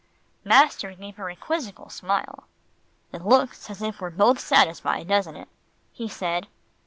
Master gave her a quizzical smile. "It looks as if we were both satisfied, doesn't it?" he said.